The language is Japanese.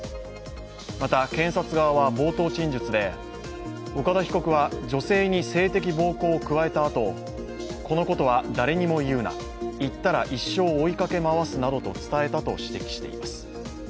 また、検察側は冒頭陳述で岡田被告は女性に性的暴行を加えたあとこのことは誰にも言うな、言ったら一生追いかけ回すなどと伝えたと指摘しています。